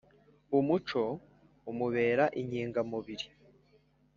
Umuco umubera inkinga mubiri